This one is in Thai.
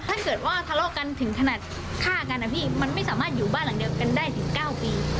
ถ้าเกิดว่าทะเลาะกันถึงขนาดฆ่ากันนะพี่มันไม่สามารถอยู่บ้านหลังเดียวกันได้ถึง๙ปี